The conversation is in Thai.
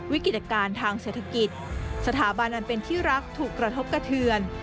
วิกฤตการณ์ทางเศรษฐกิจสถาบันอันเป็นที่รักถูกกระทบกระเทือน